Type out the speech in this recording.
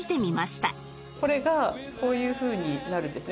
これがこういうふうになるんですね。